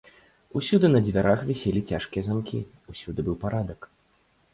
Усюды на дзвярах віселі цяжкія замкі, усюды быў парадак.